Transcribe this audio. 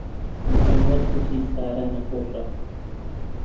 موحەممەد گوتی سارا نەخۆشە.